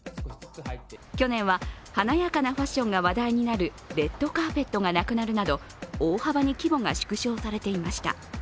去年は華やかなファッションが話題になるレッドカーペットがなくなるなど大幅に規模が縮小されていました。